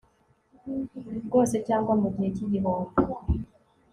rwose cyangwa mu gihe cy igihombo